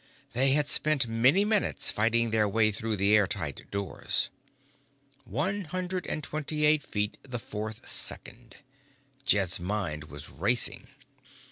They had spent many minutes fighting their way through the air tight doors. One hundred and twenty eight feet the fourth second. Jed's mind was racing.